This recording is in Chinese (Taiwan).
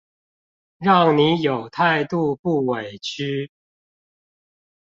讓你有態度不委曲